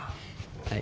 はい。